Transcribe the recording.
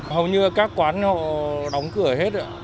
hầu như các quán đóng cửa hết